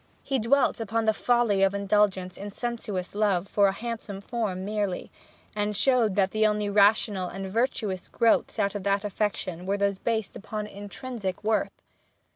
He dwelt upon the folly of indulgence in sensuous love for a handsome form merely; and showed that the only rational and virtuous growths of that affection were those based upon intrinsic worth.